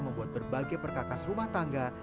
membuat berbagai perkakas rumah tangga